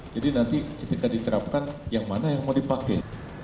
jadi nanti ketika diterapkan yang mana yang mau dipakai